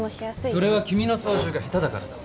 それは君の操縦が下手だからだ。